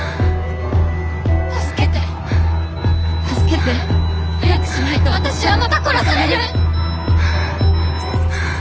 助けて助けて！早くしないと私はまた殺される！